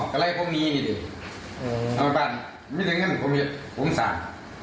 คือแคลนครับ